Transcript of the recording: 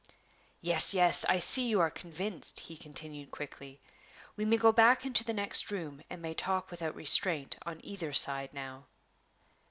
"Yes! yes! I see you are convinced," he continued quickly; "we may go back into the next room, and may talk without restraint on either side now."